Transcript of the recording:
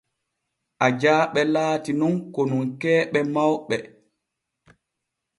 Ajaaɓe laati nun konunkeeɓe mawɓe.